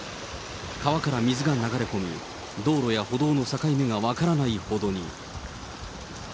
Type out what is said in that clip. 川から水が流れ込み、道路や歩道の境目が分からないほどに。